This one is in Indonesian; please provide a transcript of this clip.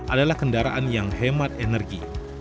adalah kendaraan yang hemat energi